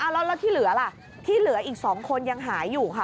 แล้วที่เหลือล่ะที่เหลืออีก๒คนยังหายอยู่ค่ะ